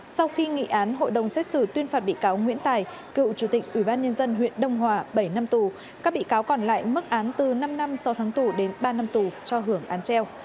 sau khi nghị án hội đồng xét xử tuyên phạt bị cáo nguyễn tài cựu chủ tịch ủy ban nhân dân huyện đông hòa bảy năm tù các bị cáo còn lại mức án từ năm năm sau tháng tù đến ba năm tù cho hưởng án treo